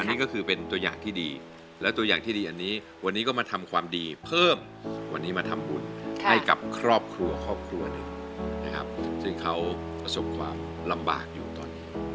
นี่ก็คือเป็นตัวอย่างที่ดีและตัวอย่างที่ดีอันนี้วันนี้ก็มาทำความดีเพิ่มวันนี้มาทำบุญให้กับครอบครัวครอบครัวหนึ่งนะครับซึ่งเขาประสบความลำบากอยู่ตอนนี้